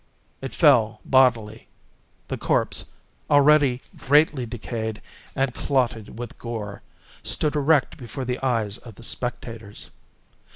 It fell bodily. The corpse, already greatly decayed and clotted with gore, stood erect before the eyes of the spectators.